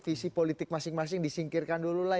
visi politik masing masing disingkirkan dulu lah